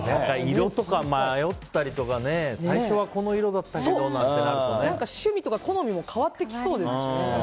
色とか迷ったりとか最初はこの色だったけど趣味とか好みも変わってきそうですしね。